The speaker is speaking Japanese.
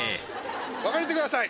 分かれてください。